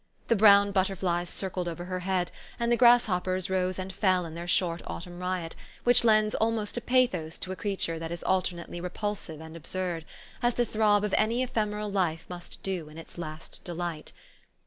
The brown butterflies circled over her head ; and the grasshoppers rose and fell in their short autumn riot, which lends almost a pathos to a creature that is alternately repulsive and absurd, as the throb of any ephemeral life must do in its last delight.